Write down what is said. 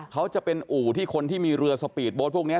เขาจะเป็นอู่ที่คนที่มีเรือสปีดโบสต์พวกนี้